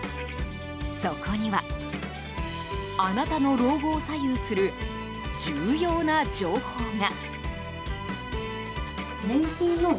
そこにはあなたの老後を左右する重要な情報が。